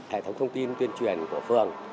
hệ thống thông tin tuyên truyền của phường